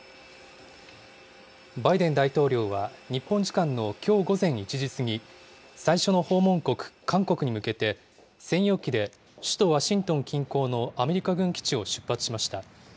バイデン大統領は日本時間のきょう午前１時過ぎ、最初の訪問国、韓国に向けて、専用機で首都ワシントン近郊のアメリカ軍基地を出発しました。